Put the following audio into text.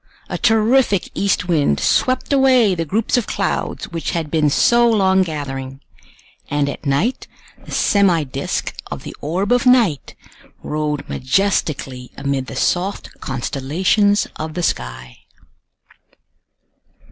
A terrific east wind swept away the groups of clouds which had been so long gathering, and at night the semi disc of the orb of night rode majestically amid the soft constellations of the sky.